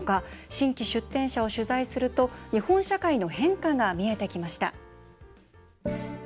新規出店者を取材すると日本社会の変化が見えてきました。